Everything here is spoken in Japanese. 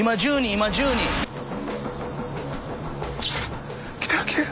今１０人。来てる来てる。